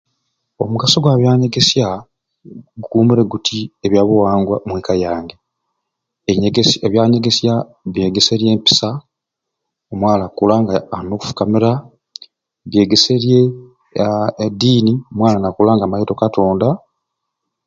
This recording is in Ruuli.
Omugaso gwa byanyegesya bikuumure biti ebyabuwangwa omweka yange, ebyanyegesya byegeserye empisa omwaala okkula nga alina okufukamira, byegeserye aa eddiini omwana nakula nga amaite o katonda.